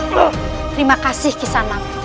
terima kasih kisah anak